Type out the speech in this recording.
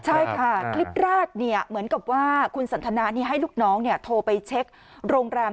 ใช่ค่ะคลิปแรกเหมือนกับว่าคุณสันทนานี่ให้ลูกน้องโทรไปเช็คโรงแรม